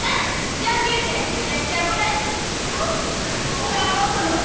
それあかんがな。